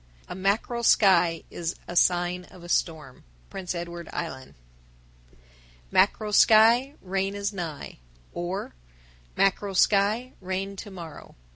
_ 1022. A mackerel sky is a sign of a storm. Prince Edward Island. 1023. Mackerel sky, Rain is nigh. or Mackerel sky, Rain to morrow.